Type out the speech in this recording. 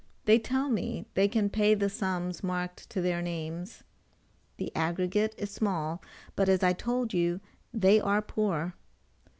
They tell me they can pay the sums marked to their names. The aggregate is small, but as I told you, they are poor.